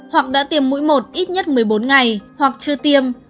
hoặc đã tiêm mũi một ít nhất một mươi bốn ngày hoặc chưa tiêm